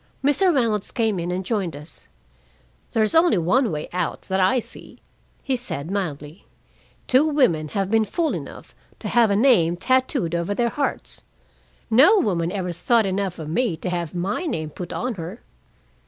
Mr. Reynolds came in and joined us. "There's only one way out that I see," he said mildly. "Two women have been fool enough to have a name tattooed over their hearts. No woman ever thought enough of me to have my name put on her."